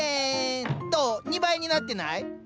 ２倍になってない？